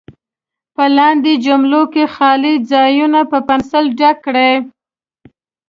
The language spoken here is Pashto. په لاندې جملو کې خالي ځایونه په پنسل ډک کړئ.